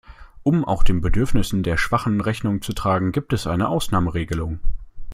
Um auch den Bedürfnissen der Schwachen Rechnung zu tragen, gibt es eine Ausnahmeregelung.